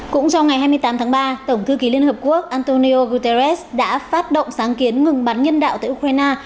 cũng trong ngày hai mươi tám tháng ba tổng thư ký liên hợp quốc antonio guterres đã phát động sáng kiến ngừng bắn nhân đạo tại ukraine